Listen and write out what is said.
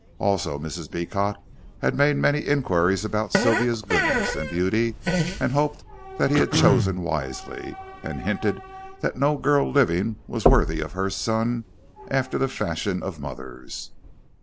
Also Mrs. Beecot had made many inquiries about Sylvia's goodness and beauty, and hoped that he had chosen wisely, and hinted that no girl living was worthy of her son, after the fashion of mothers.